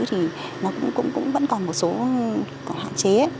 thì nó cũng vẫn còn một số hạn chế